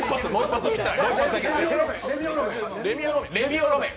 レミオロメン。